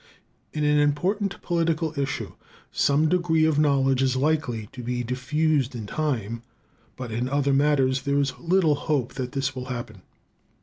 In an important political issue, some degree of knowledge is likely to be diffused in time; but in other matters there is little hope that this will happen.